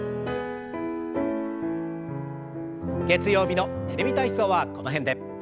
月曜日の「テレビ体操」はこの辺で。